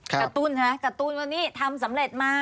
การ์ตูนค่ะการ์ตูนวันนี้ทำสำเร็จมา